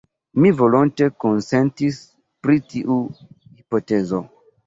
Mi volonte konsentis pri tiu hipotezo.